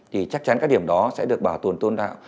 thì chắc chắn các điểm đó sẽ được bảo tồn tôn tạo